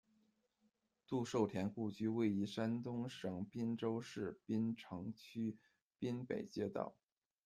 杜受田故居，位于山东省滨州市滨城区滨北街道。